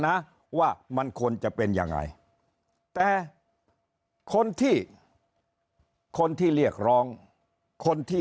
นะว่ามันควรจะเป็นยังไงแต่คนที่คนที่เรียกร้องคนที่